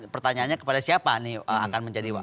pertanyaannya kepada siapa nih akan menjadi